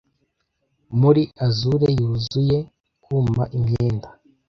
muri azure yuzuye kuma imyenda